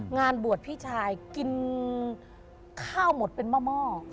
งานบวชพี่ชายกินข้าวหมดเป็นหม้อ